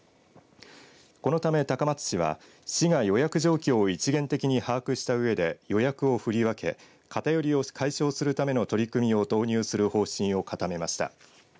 このため高松市は市が予約状況を一元的に把握したうえで予約を振り分け偏りを解消するための取り組みを導入する方針を固めました。